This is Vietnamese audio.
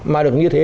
mà được như thế